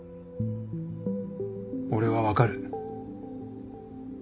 俺は分かる。